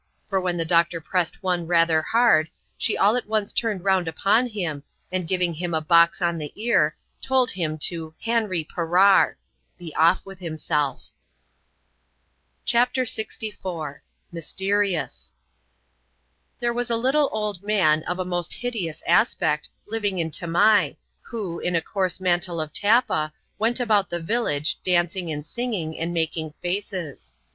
For when the doctor pressed one rather hard, she all at once turned round upon him, and, giving him a box on the ear, told him to " hanree perrar !" (be off with himself.) & 2 24i ADVENT (IRES IN THE SOUTH SEAS. [oiup.lxxt. CHAPTER LXIV. Mysterious. These was a little old man, of a most hideous aspect, li^og in Tamai, who, in a coarse mantle of tappa, went aboat tlie village, dancing, and singing, and making faces.